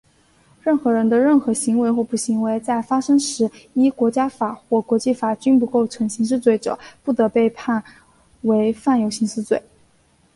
任何人的任何行为或不行为,在其发生时依国家法或国际法均不构成刑事罪者,不得被判为犯有刑事罪。